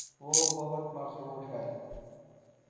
وہ بہت مغرور ہےـ